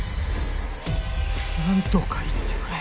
何とか言ってくれ。